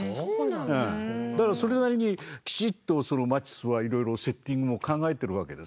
だからそれなりにぴしっとそのマティスはいろいろセッティングを考えてるわけですよね。